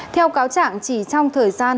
theo cáo trạng chỉ trong thời gian